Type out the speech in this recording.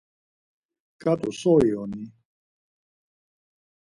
Ǩat̆u so iyoni?